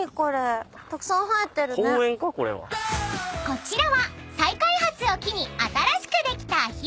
［こちらは再開発を機に新しくできた］